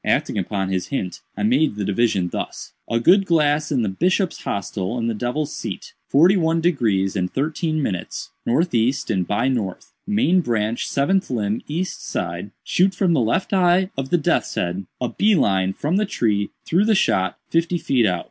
Acting upon this hint, I made the division thus: 'A good glass in the Bishop's hostel in the Devil's seat—forty one degrees and thirteen minutes—northeast and by north—main branch seventh limb east side—shoot from the left eye of the death's head—a bee line from the tree through the shot fifty feet out.